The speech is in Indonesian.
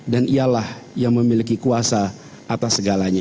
ialah yang memiliki kuasa atas segalanya